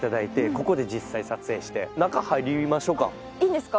ここで実際撮影して中入りましょうかいいんですか？